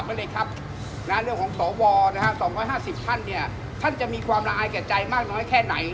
ซึ่งกระบวนการขั้นตอนประชาชนก็ไม่รู้เราก็ไม่รู้เลย